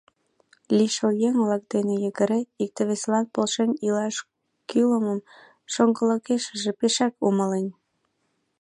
Лишыл еҥ-влак дене йыгыре, икте-весылан полшен илаш кӱлмым шоҥгылыкешыже пешак умылен.